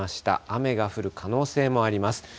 雨が降る可能性もあります。